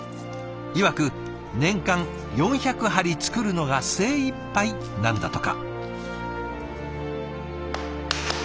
いわく年間４００張り作るのが精いっぱいなんだとか。